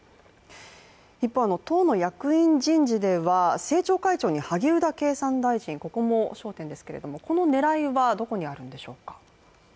一方、党の役員人事では政調会長に萩生田経産大臣、ここも焦点ですけれどもこの狙いはどこにあるんでしょうか？